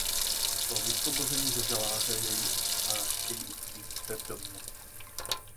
Po vysvobození ze žaláře jej chtějí ukrýt zde v domě.